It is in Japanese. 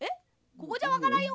「ここじゃわからんよ。